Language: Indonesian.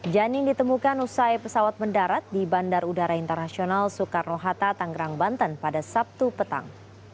janin ditemukan usai pesawat mendarat di bandar udara internasional soekarno hatta tanggerang banten pada sabtu petang